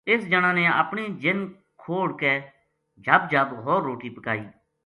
اِس جنا نے اپنی جِن کھوڑ کے جھب جھب ہور روٹی پکائی